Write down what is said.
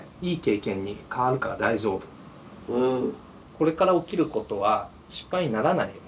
これから起きることは失敗にならないよ